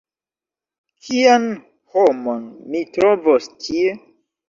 Kian homon mi trovos tie?